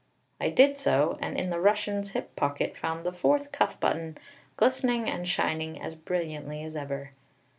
I did so, and in the Russian's hip pocket found the fourth cuff button, glistening and shining as brilliantly as ever!